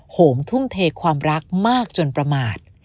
โหมทุ่มเทความรักมากจนประมาท